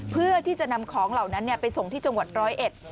เพื่อที่จะนำของเหล่านั้นไปส่งที่จังหวัดร้อยเอ็ด